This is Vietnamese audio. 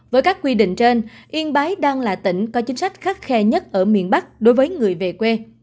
với các quy định trên yên bái đang là tỉnh có chính sách khắt khe nhất ở miền bắc đối với người về quê